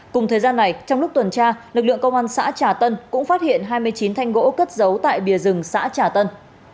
cùng thời gian này trong lúc tuần tra lực lượng công an xã trà tân cũng phát hiện hai mươi chín thanh gỗ cất giấu tại bìa rừng xã trà tân